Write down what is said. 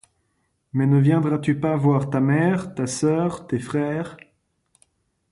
Mais ne viendras-tu pas voir ta mère, ta sœur, tes frères?